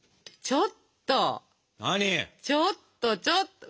ちょっとちょっと！